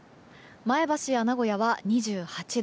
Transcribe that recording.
前橋や名古屋は２８度。